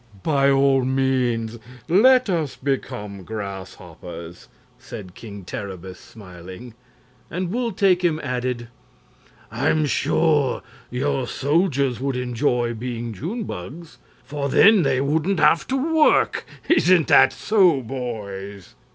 "By all means let us become grasshoppers," said King Terribus, smiling; and Wul Takim added: "I'm sure your soldiers would enjoy being June bugs, for then they wouldn't have to work. Isn't that so, boys?"